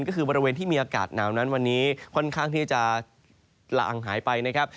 ก็คือบริเวณที่มีอากาศหนาวนั้นวันนี้ค่อนข้างที่จะละอังหายไปนะครับ